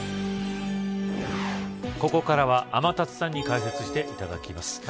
ここからは天達さんに解説していただきます。